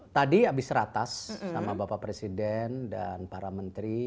tadi habis ratas sama bapak presiden dan para menteri